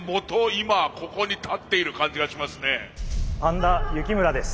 今ここに立っている感じがしますね。